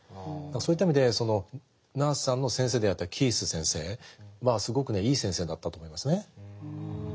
そういった意味でナースさんの先生であったキース先生はすごくねいい先生だったと思いますね。